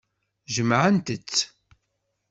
Jemɛent-tt.